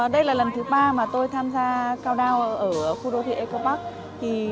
đây là lần thứ ba mà tôi tham gia cao đao ở khu đô thị eco park